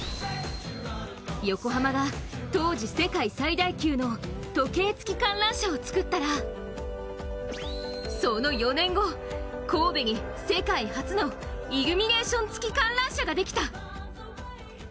横浜が、当時世界最大級の時計付き観覧車を作ったらその４年後、神戸に世界初のイルミネーション付き観覧車ができた。